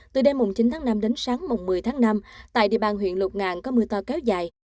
từ đêm chín tháng năm đến sáng một mươi tháng năm tại địa bàn huyện lục ngạn có mưa to kéo dài